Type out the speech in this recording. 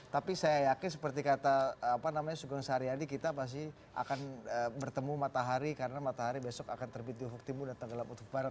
tapi saya yakin seperti kata sugeng saryadi kita pasti akan bertemu matahari karena matahari besok akan terbit di ufuk timur dan tenggelam untuk barat